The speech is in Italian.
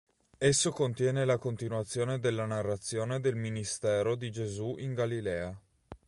Esso contiene la continuazione della narrazione del ministero di Gesù in Galilea.